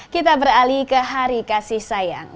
kita beralih ke hari kasih sayang